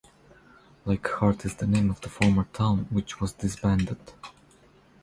Lake Hart is the name of the former town, which was disbanded.